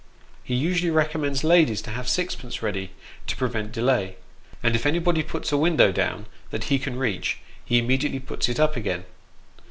He usually recommends ladies to have sixpence ready, to prevent delay ; and if anybody puts a window down, that he can reach, he immediately puts it up again.